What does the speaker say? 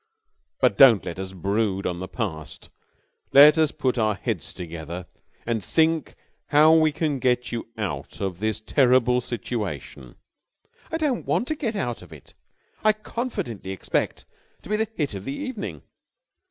But don't let us brood on the past. Let us put our heads together and think how we can get you out of this terrible situation." "I don't want to get out of it. I confidently expect to be the hit of the evening."